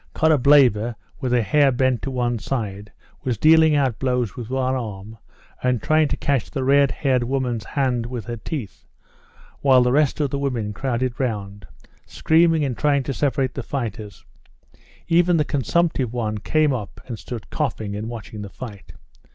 Korableva, with her head bent to one side, was dealing out blows with one arm and trying to catch the red haired woman's hand with her teeth, while the rest of the women crowded round, screaming and trying to separate the fighters; even the consumptive one came up and stood coughing and watching the fight.